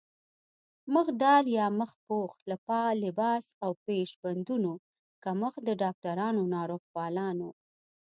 مخ ډال يا مخ پوښ، لباس او پيش بندونو کمښت د ډاکټرانو، ناروغپالانو